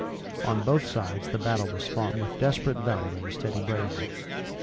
On both sides the battle was fought with desperate valor and a steady bravery.